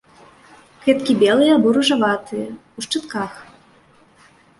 Кветкі белыя або ружаватыя, у шчытках.